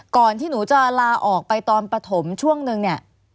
ก่อนที่หนูจะลาออกไปตอนปฐมช่วงนึงเนี่ย